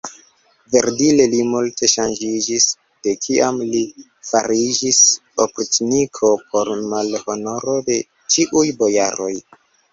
Verdire li multe ŝanĝiĝis, de kiam li fariĝis opriĉniko por malhonoro de ĉiuj bojaroj.